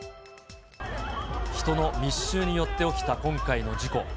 人の密集によって起きた今回の事故。